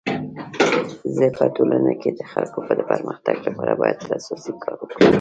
زه په ټولنه کي د خلکو د پرمختګ لپاره باید اساسي کار وکړم.